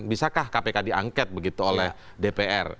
bisakah kpk diangket begitu oleh dpr